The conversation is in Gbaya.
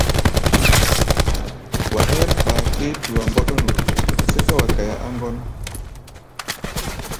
Wa hɛ́r kpakpé-tua mbɔ́ɗɔ́nu, sɛ́ká wa kaia á ŋgɔ́n.